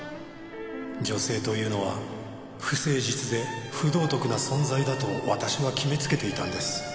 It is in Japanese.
「女性というのは不誠実で不道徳な存在だと私は決めつけていたんです」